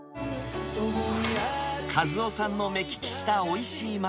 一夫さんの目利きしたおいしいー